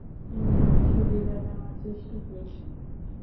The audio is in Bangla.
কোনো সুবিধা নেওয়ার চেষ্টা করেছে?